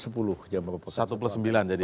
satu plus sembilan jadi ya